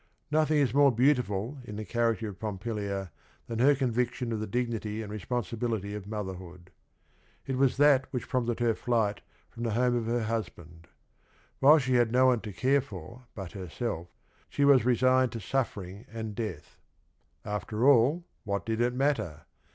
No thing is more beautiful in the character of Pompilia than he r convict ion_of the_dignity and responsibility oFmo therhoo d. It was that which prompted her night from the home of her hus band. While she had no one to care for but herself, she was resigned to suffering and death. After all, what did it matter?